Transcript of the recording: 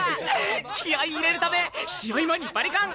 気合い入れるため試合前にバリカン！？